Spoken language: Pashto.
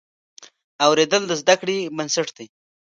اورېدل د زده کړې بنسټ دی.